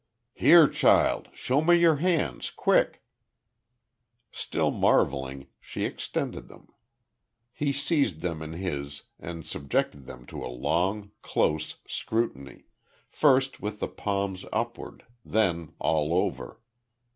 "Here, child, show me your hands quick!" Still marvelling, she extended them. He seized them in his, and subjected them to a long, close scrutiny, first with the palms upward, then all over.